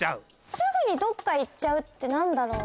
すぐにどっかいっちゃうってなんだろう？